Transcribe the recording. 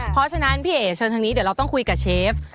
เพราะฉะนั้นพี่เอ๋เชิญทางนี้เดี๋ยวเราต้องคุยกับเชฟ